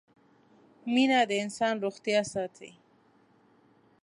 مينه د انسان روغتيا ساتي